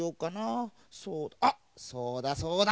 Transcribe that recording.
あっそうだそうだ！